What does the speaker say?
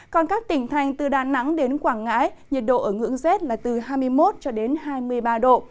còn các tỉnh thành từ đà nẵng đến quảng ngãi nhiệt độ ở ngưỡng rét là từ hai mươi một hai mươi ba độ